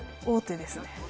大手ですね。